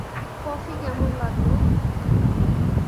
Coffee কেমন লাগল।